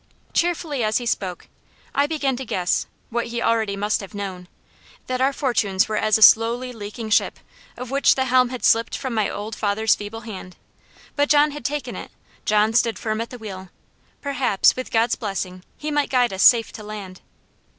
Cheerfully as he spoke, I began to guess what he already must have known that our fortunes were as a slowly leaking ship, of which the helm had slipped from my old father's feeble hand. But John had taken it John stood firm at the wheel. Perhaps, with God's blessing, he might guide us safe to land.